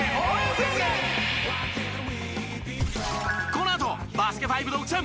このあと『バスケ☆ＦＩＶＥ』独占！